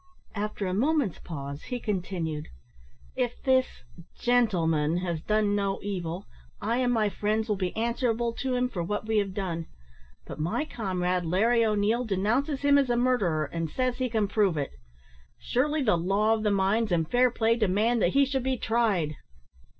After a moment's pause, he continued "If this gentleman has done no evil, I and my friends will be answerable to him for what we have done; but my comrade, Larry O'Neil, denounces him as a murderer; and says he can prove it. Surely the law of the mines and fair play demand that he should be tried!"